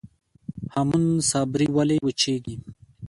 هامون صابري ولې وچیږي؟